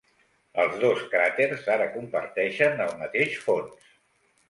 Els dos cràters ara comparteixen el mateix fons.